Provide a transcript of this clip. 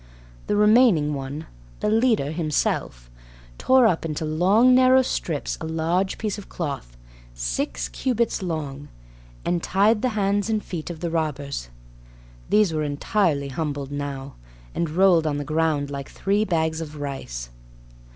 The remaining one—the leader himself—tore up into long narrow strips a large piece of cloth, six cubits long, and tied the hands and feet of the robbers. These were entirely humbled now, and rolled on the ground like three bags of rice!